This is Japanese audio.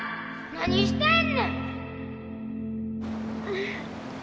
何してんねん！